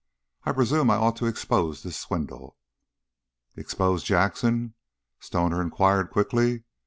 I presume I ought to expose this swindle." "Expose Jackson?" Stoner inquired, quickly.